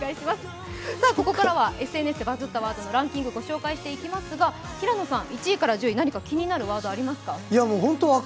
ここからはＳＮＳでバズったワードのランキングをご紹介していきますが平野さん、１位から１０位、何か気になるキーワード、ありますか？